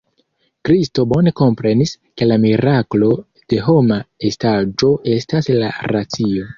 Kristo bone komprenis, ke la miraklo de homa estaĵo estas la racio.